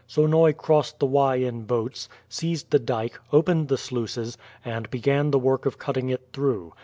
Sonoy crossed the Y in boats, seized the dyke, opened the sluices, and began the work of cutting it through.